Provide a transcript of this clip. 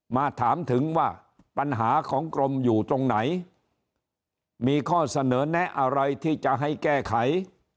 มาถามถึงว่าปัญหาของกรมอยู่ตรงไหนมีข้อเสนอแนะอะไรที่จะให้แก้ไข